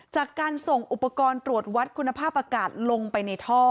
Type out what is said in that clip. จากการส่งอุปกรณ์ตรวจวัดคุณภาพอากาศลงไปในท่อ